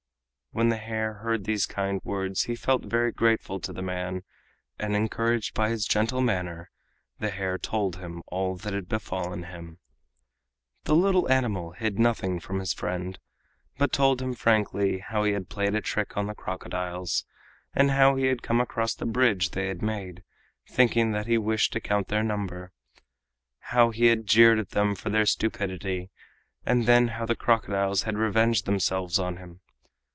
When the hare heard these kind words he felt very grateful to the man, and encouraged by his gentle manner the hare told him all that had befallen him. The little animal hid nothing from his friend, but told him frankly how he had played a trick on the crocodiles and how he had come across the bridge they had made, thinking that he wished to count their number: how he had jeered at them for their stupidity, and then how the crocodiles had revenged themselves on him.